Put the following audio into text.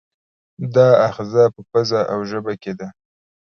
دا آخذه په پزه او ژبه کې ځای لري.